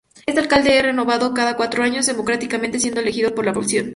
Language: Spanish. Este alcalde es renovado cada cuatro años democráticamente siendo elegido por la población.